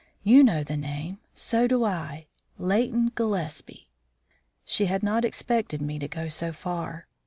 You know the name; so do I Leighton Gillespie." She had not expected me to go so far.